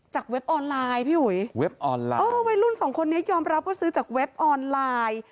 จากเว็บออนไลน์อ๋อไวรุ่นสองคนนี้ยอมรับก็ซื้อจากเว็บออนไลน์